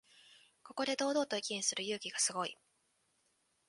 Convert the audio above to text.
ここで堂々と意見する勇気がすごい